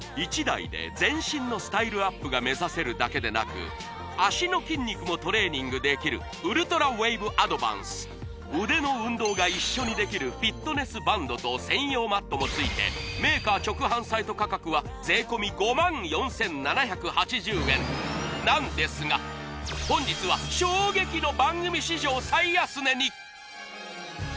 １台で全身のスタイルアップが目指せるだけでなく脚の筋肉もトレーニングできるウルトラウェーブアドバンス腕の運動が一緒にできるフィットネスバンドと専用マットもついてメーカー直販サイト価格は税込５万４７８０円なんですが本日は衝撃の番組史上最安値に！